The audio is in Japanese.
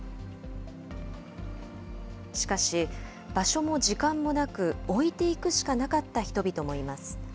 しかし、場所も時間もなく、置いていくしかなかった人々もいます。